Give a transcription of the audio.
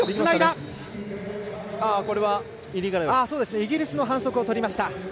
イギリスの反則をとりました。